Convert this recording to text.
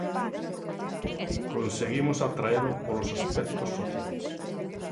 Conseguimos atraelo polos aspectos sociais.